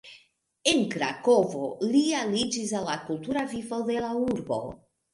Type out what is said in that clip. En Krakovo li aliĝis al la kultura vivo de la urbo.